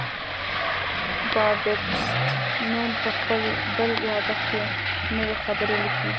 بابټیست نون په خپل بل یادښت کې نوی خبر لیکي.